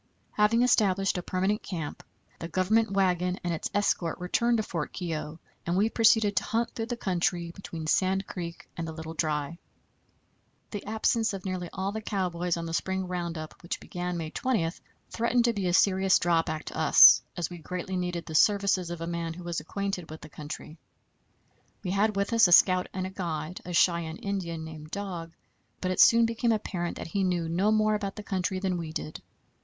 Having established a permanent camp, the Government wagon and its escort returned to Fort Keogh, and we proceeded to hunt through the country between Sand Creek and the Little Dry. The absence of nearly all the cowboys on the spring round up, which began May 20, threatened to be a serious drawback to us, as we greatly needed the services of a man who was acquainted with the country. We had with us as a scout and guide a Cheyenne Indian, named Dog, but it soon became apparent that he knew no more about the country than we did.